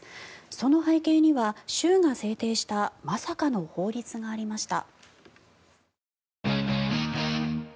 その背景には州が制定したまさかの法律がありました。